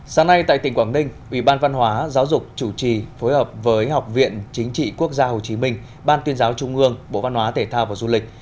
sáng nay tại tỉnh quảng ninh ủy ban văn hóa giáo dục chủ trì phối hợp với học viện chính trị quốc gia hồ chí minh ban tuyên giáo trung ương bộ văn hóa thể thao và du lịch